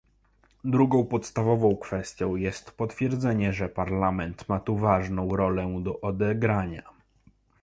Drugą podstawową kwestią jest potwierdzenie, że Parlament ma tu ważną rolę do odegrania